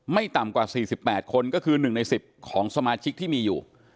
ไม่ต่ำกว่า๔๘คนก็คือ๑ใน๑๐ของสมาชิกที่มีอยู่